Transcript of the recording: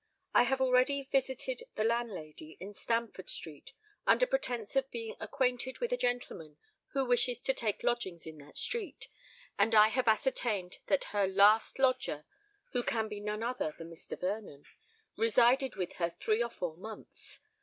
"I have already visited the landlady in Stamford Street, under pretence of being acquainted with a gentleman who wishes to take lodgings in that street; and I have ascertained that her last lodger—who can be none other than Mr. Vernon—resided with her three or four months.